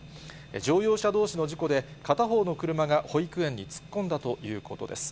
乗用車どうしの事故で、片方の車が保育園に突っ込んだということです。